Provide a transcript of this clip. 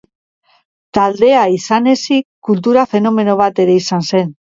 Taldea izan ezik kultura fenomeno bat ere izan zen.